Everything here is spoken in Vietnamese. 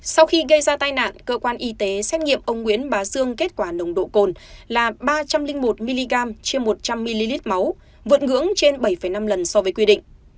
sau khi gây ra tai nạn cơ quan y tế xét nghiệm ông nguyễn bá dương kết quả nồng độ cồn là ba trăm linh một mg trên một trăm linh ml máu vượt ngưỡng trên bảy năm lần so với quy định